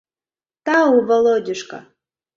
Тау, Володюшка!